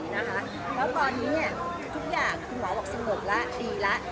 แล้วตอนนี้เนี่ยทุกอย่างคุณหมอบอกสะเกิดแล้วดีแล้ว